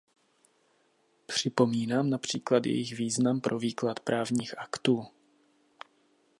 Připomínám například jejich význam pro výklad právních aktů.